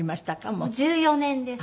もう１４年です。